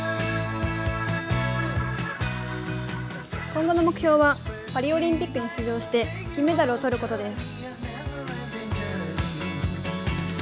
今後の目標はパリオリンピックに出場して金メダルを取ることです。